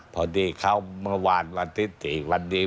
พอที่เขามาหวานวันนี้